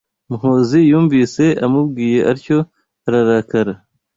Muhozi yumvise amubwiye atyo ararakara